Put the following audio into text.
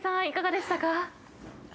いかがでしたか？